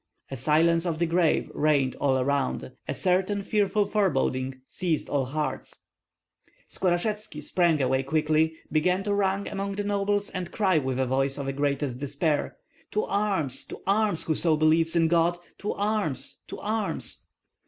A silence of the grave reigned all around. A certain fearful foreboding seized all hearts. Skorashevski sprang away quickly, began to run among the nobles and cry with a voice of the greatest despair: "To arms, to arms, whoso believes in God! To arms, to arms!"